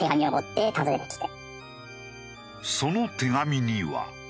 その手紙には。